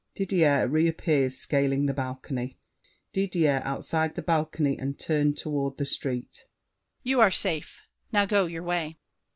Didier reappears scaling the balcony. DIDIER (outside of the balcony and turned toward the street). You are safe; Now go your way!